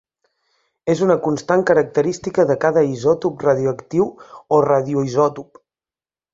És una constant característica de cada isòtop radioactiu o radioisòtop.